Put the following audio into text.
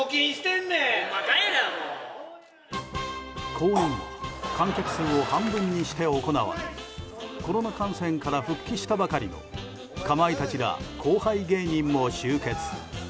公演は観客数を半分にして行われコロナ感染から復帰したばかりのかまいたちら後輩芸人も集結。